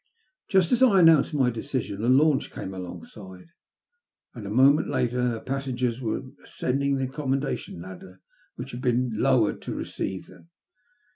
Just as I announced my decision the launch came alongside, and a moment later her passengers were ascending the accommodation ladder, which had been lowered to receive them.